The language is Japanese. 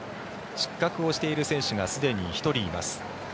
失格をしている選手がすでに１人います。